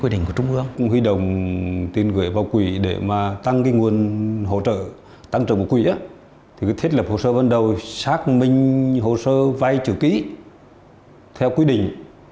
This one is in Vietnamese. tăng trưởng của quỹ thiết lập hồ sơ văn đồ xác minh hồ sơ vai chữ ký theo quy định